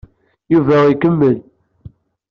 Yuba ikemmel.